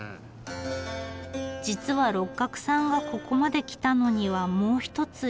実は六角さんがここまで来たのにはもう一つ理由があります。